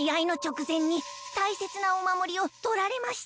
くぜんにたいせつなおまもりをとられました。